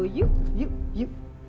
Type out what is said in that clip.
yuk yuk yuk